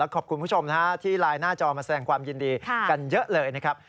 ขอบคุณผู้ชมที่ไลน์หน้าจอมาแสดงความยินดีกันเยอะเลยนะครับ